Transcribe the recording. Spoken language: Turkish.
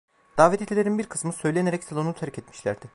Davetlilerin bir kısmı söylenerek salonu terk etmişlerdi.